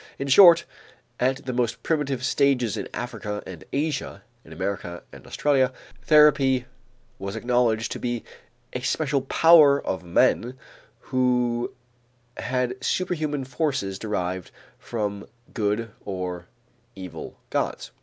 In short, at the most primitive stages in Africa and Asia, in America and Australia, therapy was acknowledged to be a special power of men who had superhuman forces derived from good or evil gods.